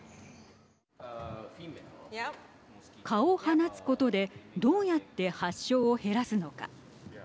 蚊を放つことでどうやって発症を減らすのか。